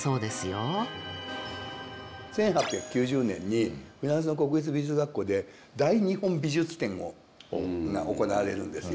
１８９０年にフランスの国立美術学校で大日本美術展が行われるんですよ。